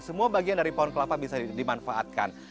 semua bagian dari pohon kelapa bisa dimanfaatkan